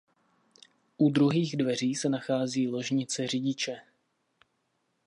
U druhých dveří se nachází ložnice řidiče.